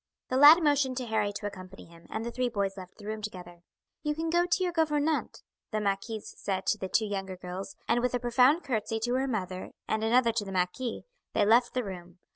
The lad motioned to Harry to accompany him, and the three boys left the room together. "You can go to your gouvernante," the marquise said to the two younger girls; and with a profound curtsy to her and another to the marquis, they left the room.